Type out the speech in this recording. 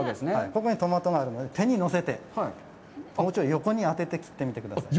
ここにトマトがあるので、手に乗せて、包丁を横に当てて切ってみてください。